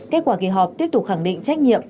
kết quả kỳ họp tiếp tục khẳng định trách nhiệm